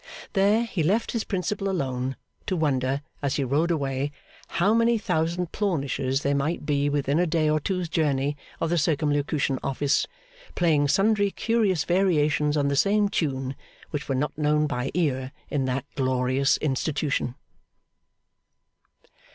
There, he left his Principal alone; to wonder, as he rode away, how many thousand Plornishes there might be within a day or two's journey of the Circumlocution Office, playing sundry curious variations on the same tune, which were not known by ear in that glorious institution.